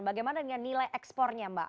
bagaimana dengan nilai ekspornya mbak